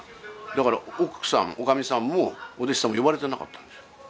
だから、奥さん、おかみさんも、お弟子さんも呼ばれてなかった。